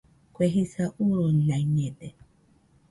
Kue jisa urunaiñede